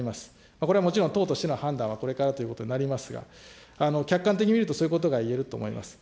これはもちろん党としての判断はこれからということになりますが、客観的に見るとそういうことが言えると思います。